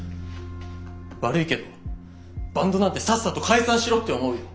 悪いけどバンドなんてさっさと解散しろって思うよ。